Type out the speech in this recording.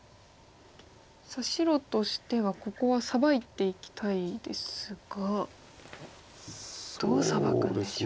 白としてはここはサバいていきたいですがどうサバくんでしょう。